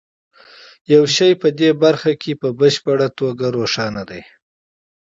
یو شی په دې برخه کې په بشپړه توګه روښانه دی